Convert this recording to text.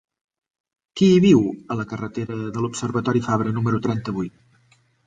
Qui viu a la carretera de l'Observatori Fabra número trenta-vuit?